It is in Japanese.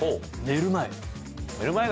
寝る前。